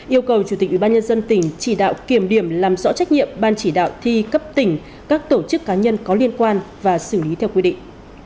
yêu cầu chủ tịch ủy ban nhân dân tỉnh chỉ đạo kiểm điểm làm rõ trách nhiệm ban chỉ đạo thi cấp tỉnh các tổ chức cá nhân có liên quan và xử lý theo quy định